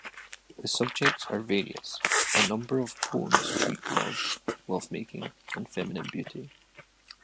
The subjects are various: a number of poems treat love, lovemaking, and feminine beauty.